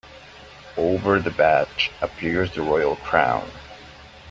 Over the badge appears the Royal Crown.